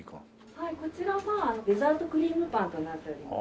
はいこちらはデザートクリームパンとなっております。